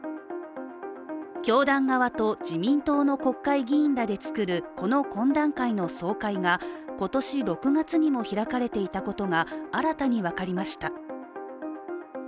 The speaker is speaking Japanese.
教団側と自民党の国会議員らで作るこの懇談会の総会が今年６月にも開かれていたことが新たに分かりました。